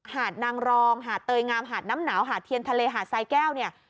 หาดนางรองหาดเตยงามหาดน้ำหนาวหาดเทียนทะเลหาดทรายแก้วเนี่ย